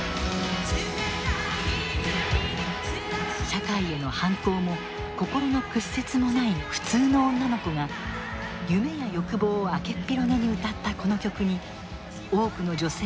社会への反抗も心の屈折もない普通の女の子が夢や欲望を開けっ広げに歌ったこの曲に多くの女性が共感を寄せた。